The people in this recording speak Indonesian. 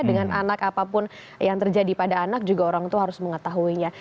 dengan anak apapun yang terjadi pada anak juga orang tua harus mengetahuinya